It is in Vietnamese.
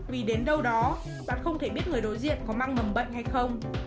vì đến đâu đó bạn không thể biết người đối diện có mang mầm bệnh hay không